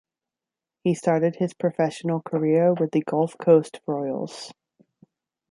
He started his professional career with the Gulf Coast Royals.